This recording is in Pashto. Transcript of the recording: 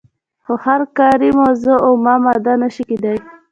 خو هره کاري موضوع اومه ماده نشي کیدای.